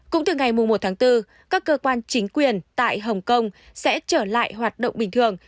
cũng từ ngày một tháng bốn các cơ quan chính quyền tại hồng kông sẽ trở lại hoạt động bình thường